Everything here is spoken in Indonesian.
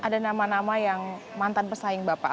ada nama nama yang mantan pesaing bapak